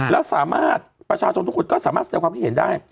แล้วสามารถประชาชนทุกคนก็สามารถแสดงความคิดเห็นได้